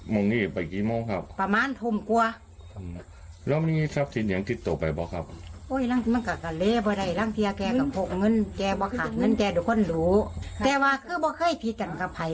มงนี่ไปกี่เมาว์ครับประมาณทุ่มกว่าอืมแล้วมันนี่ทรัพย์ที่